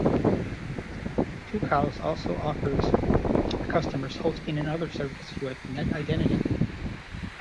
Tucows also offers customers hosting and other services with NetIdentity.